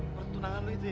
pertunangan lu itu ya